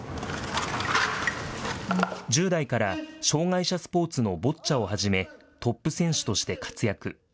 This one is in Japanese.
１０代から障害者スポーツのボッチャを始め、トップ選手として活躍。